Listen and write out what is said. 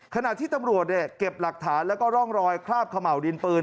ขณะที่ตำรวจเก็บหลักฐานแล้วก็ร่องรอยคราบเขม่าวดินปืน